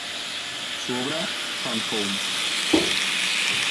Su obra "Fun Home.